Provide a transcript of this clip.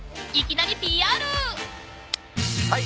はい。